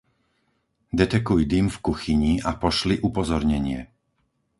Detekuj dym v kuchyni a pošli upozornenie.